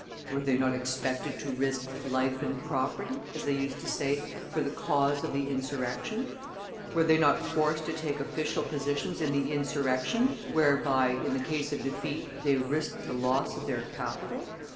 Were they not expected to risk "life and property," as they used to say, for the cause of the insurrection? Were they not forced to take official positions in the insurrection, whereby, in the case of defeat, they risked the loss of their capital?